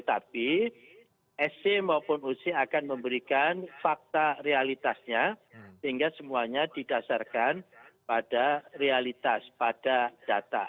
tapi sc maupun oc akan memberikan fakta realitasnya sehingga semuanya didasarkan pada realitas pada data